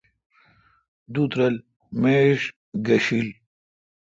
دُت رل میڄ گݭیل